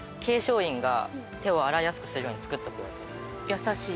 優しい。